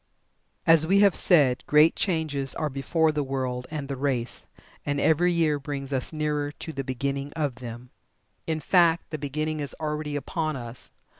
As we have said, great changes are before the world and the race, and every year brings us nearer to the beginning of them. In fact, the beginning is already upon us.